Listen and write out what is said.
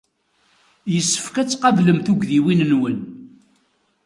Yessefk ad tqablem tugdiwin-nwen.